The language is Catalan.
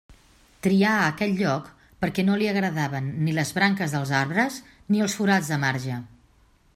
Trià aquell lloc perquè no li agradaven ni les branques dels arbres ni els forats de marge.